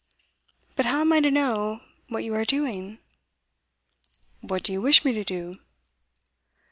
But how am I to know what you are doing?' 'What do you wish me to do?